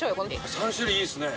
３種類いいですね。